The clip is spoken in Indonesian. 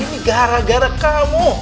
ini gara gara kamu